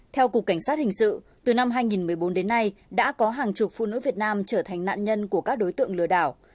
theo cục cảnh sát hình sự từ năm hai nghìn một mươi bốn đến nay đã có hàng chục phụ nữ việt nam trở thành nạn nhân của các đối tượng lừa đảo